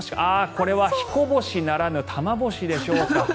これは彦星ならぬたまほしでしょうか。